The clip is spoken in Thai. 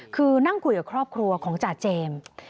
คือนั่งคุยกับครอบครัวของจ่าเจมส์